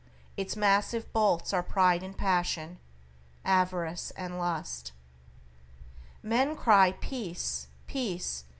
Its massive bolts Are pride and passion, avarice and lust." Men cry peace! peace!